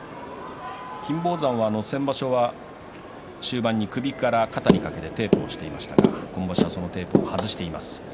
金峰山は先場所は終盤首から肩にかけてテープをしていましたが今場所は外しています。